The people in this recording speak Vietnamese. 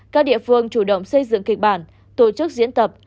các địa phương chủ động xây dựng kịch bản tổ chức diễn tập